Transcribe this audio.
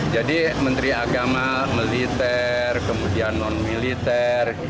jadi menteri agama militer kemudian non militer